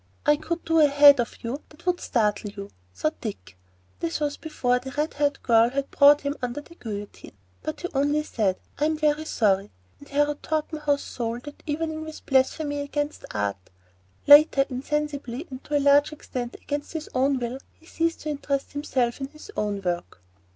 "I could do a head of you that would startle you," thought Dick,—this was before the red haired girl had brought him under the guillotine,—but he only said, "I am very sorry," and harrowed Torpenhow's soul that evening with blasphemies against Art. Later, insensibly and to a large extent against his own will, he ceased to interest himself in his own work.